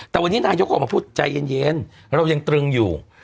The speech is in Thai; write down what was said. แต่วันนี้นายกออกมาพูดใจเย็นเรายังตรึงอยู่